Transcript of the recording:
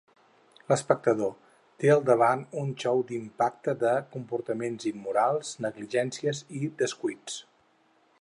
L'espectador té al davant un xou d'impacte de comportaments immorals, negligències i descuits.